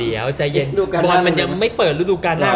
เอาใจเย็นบอลมันยังไม่เปิดฤดูการหน้า